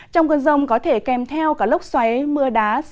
trong cơn rông có thể kèm theo cả lốc xoáy mưa đá